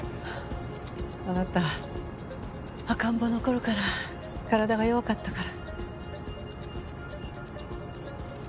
あなた赤ん坊の頃から体が弱かったから。